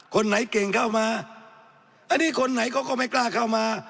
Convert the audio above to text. คนไหนเก่งเข้ามาอันนี้คนไหนเขาก็ไม่กล้าเข้ามา